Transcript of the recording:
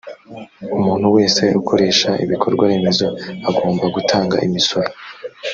umuntu wese ukoresha ibikorwaremezo agomba gutanga imisoro